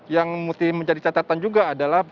yang mesti menjadi catatan juga adalah